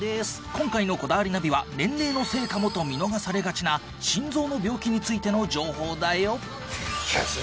今回の『こだわりナビ』は年齢のせいかもと見逃されがちな心臓の病気についての情報だよ。